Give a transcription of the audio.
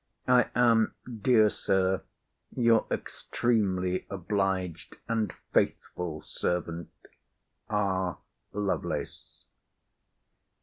I am, dear Sir, Your extremely obliged and faithful servant, R. LOVELACE.